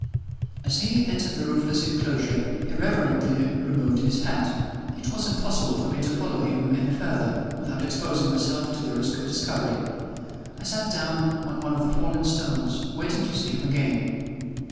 As he entered the roofless inclosure, he reverently removed his hat. It was impossible for me to follow him any further, without exposing myself to the risk of discovery. I sat down on one of the fallen stones, waiting to see him again.